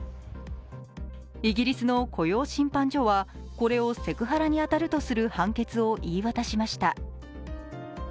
イギリスの雇用審判所はこれをセクハラに当たるとする判決を言い渡しました。